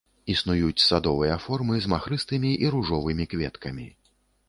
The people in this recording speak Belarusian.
Існуюць садовыя формы з махрыстымі і ружовымі кветкамі.